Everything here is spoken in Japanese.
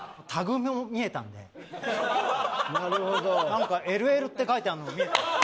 なんか「ＬＬ」って書いてあるのが見えた。